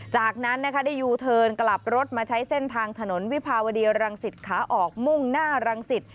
จากนั้นนะคะได้ยูเทิร์นกลับรถมาใช้เส้นทางถนนวิภาวดีรังสิตขาออกมุ่งหน้ารังสิต